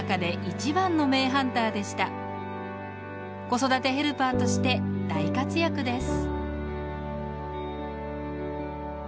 子育てヘルパーとして大活躍です。